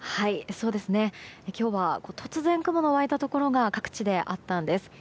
今日は突然、雲が湧いたところが各地であったんです。